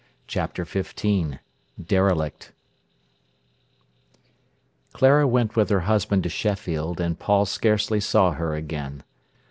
CHAPTER XV DERELICT Clara went with her husband to Sheffield, and Paul scarcely saw her again.